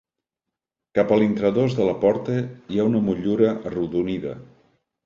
Cap a l'intradós de la porta hi ha una motllura arrodonida.